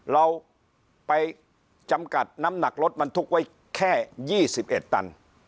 เราไปจำกัดน้ำหนักรถบรรทุกไว้แค่๒๑ตัน